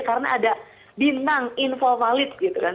karena ada bintang info valid gitu kan